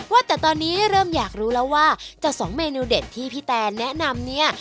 ว่าแต่ตอนนี้เริ่มอยากรู้แล้วว่าจากสองเมนูเด็ดที่พี่แตนแนะนำเนี่ย